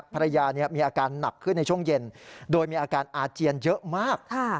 ภรรยามีอาการหนักขึ้นในช่วงเย็นโดยมีอาการอาเจียนเยอะมาก